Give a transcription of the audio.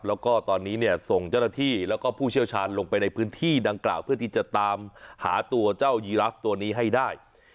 แล้วก็ตอนนี้เนี่ยส่งเจ้าหน้าที่แล้วก็ผู้เชี่ยวชาญลงไปในพื้นที่ดังกล่าวเพื่อที่จะตามหาตัวเจ้ายีราฟตัวนี้ให้ได้